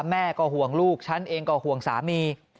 แม่ก็ห่วงลูกฉันเองก็ห่วงสามี